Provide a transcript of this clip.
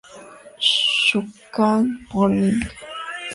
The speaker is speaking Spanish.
Shūkan Morning